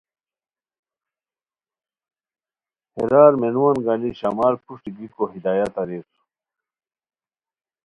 ہیرار مینوان گانی شامار پروشٹی گیکو ہدایت اریر